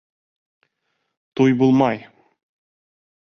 Туй булмай!